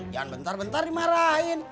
jangan bentar bentar dimarahin